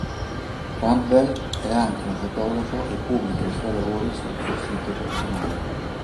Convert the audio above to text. Campbell è anche un fotografo e pubblica i suoi lavori sul suo sito personale.